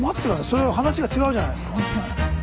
それは話が違うじゃないですか。